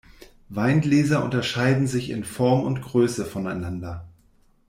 Weingläser unterscheiden sich in Form und Größe voneinander.